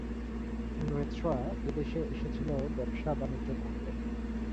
ইংরেজরা এদেশে এসেছিলো ব্যবসা- বাণিজ্য করতে।